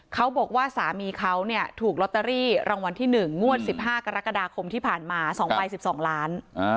เขาบอกว่าสามีเขาเนี่ยถูกลอตเตอรี่รางวัลที่หนึ่งงวดสิบห้ากรกฎาคมที่ผ่านมาสองไปสิบสองล้าน